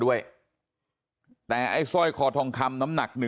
สวัสดีครับคุณผู้ชาย